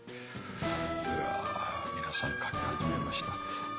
うわ皆さん書き始めました。